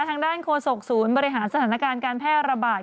ทางด้านโฆษกศูนย์บริหารสถานการณ์การแพร่ระบาด